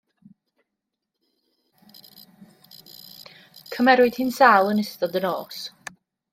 Cymerwyd hi'n sâl yn ystod y nos.